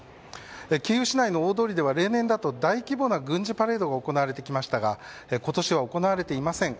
キーウ市内の大通りでは例年だと大規模な軍事パレードが行われてきましたが今年は行われていません。